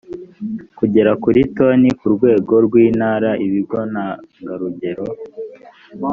kugera kuri toni ku rwego rw intara ibigo ntangarugero